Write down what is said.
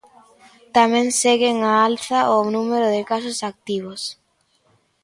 Tamén seguen á alza o número de casos activos.